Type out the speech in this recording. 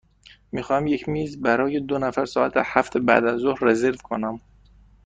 می خواهم یک میز برای دو نفر ساعت هفت بعدازظهر رزرو کنم.